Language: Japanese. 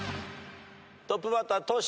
トップバッタートシ。